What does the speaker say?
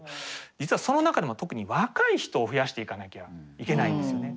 実はその中でも特に若い人を増やしていかなきゃいけないですよね。